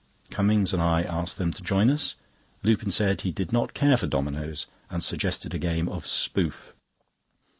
Cummings and I asked them to join us. Lupin said he did not care for dominoes, and suggested a game of "Spoof."